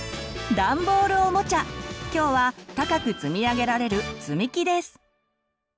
今日は高く積み上げられる「つみき」です。